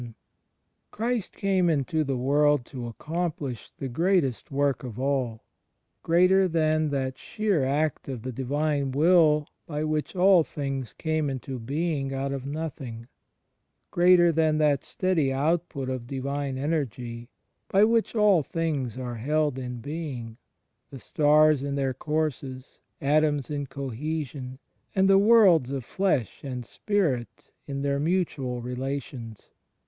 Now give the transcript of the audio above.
Christ came into the world to accomplish the greatest work of all — greater than that sheer act of the Divine Will by which all things came into being out of nothing, greater than that steady output of Divine Energy by which all things are held in being, the stars in their courses, atoms in cohesion, and the worlds of flesh and spirit in their mutual relations.